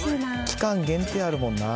期間限定あるもんな。